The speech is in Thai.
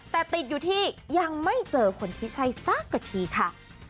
แต่ติดอยู่ที่ยังไม่เจอคนที่ใช่สักกะทีค่ะ